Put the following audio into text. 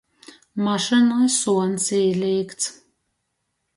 Mašynai suons īlīkts.